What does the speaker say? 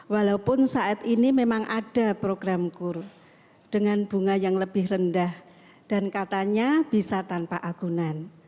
walaupun saat ini memang ada program kur dengan bunga yang lebih rendah dan katanya bisa tanpa agunan